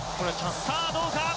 さあ、どうか？